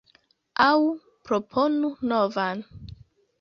Aŭ proponu novan.